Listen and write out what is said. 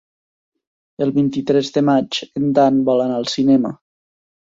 El vint-i-tres de maig en Dan vol anar al cinema.